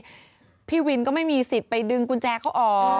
พี่วินก็ไม่มีสิทธิ์ไปดึงกุญแจเขาออก